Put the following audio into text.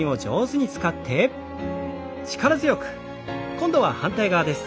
今度は反対側です。